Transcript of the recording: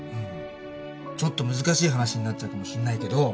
ちょっと難しい話になっちゃうかもしんないけど。